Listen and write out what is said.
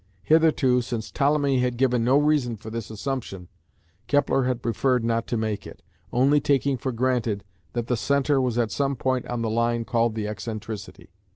Hitherto, since Ptolemy had given no reason for this assumption, Kepler had preferred not to make it, only taking for granted that the centre was at some point on the line called the excentricity (see Figs.